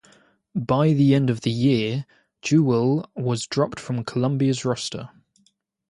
By the end of the year, Jewell was dropped from Columbia's roster.